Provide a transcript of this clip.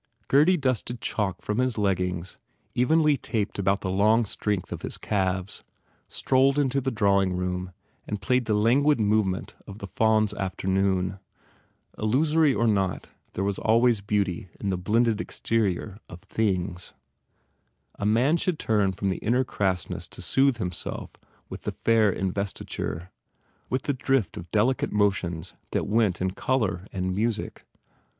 Gurdy dusted chalk from his leggings, evenly taped about the long strength of his calves, strolled into the drawing room and played the languid movement of the Faun s After noon. Illusory or not there was always beauty in 127 THE FAIR REWARDS the blended exterior of things. A man should turn from the inner crassness to soothe himself with the fair investiture, with the drift of delicate motions that went in colour and music.